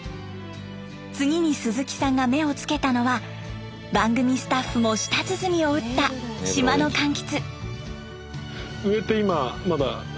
次に鈴木さんが目をつけたのは番組スタッフも舌鼓を打った島の柑橘。